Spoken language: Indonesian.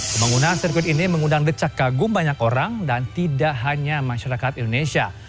pembangunan sirkuit ini mengundang decak kagum banyak orang dan tidak hanya masyarakat indonesia